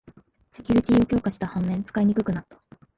セキュリティーを強化した反面、使いにくくなった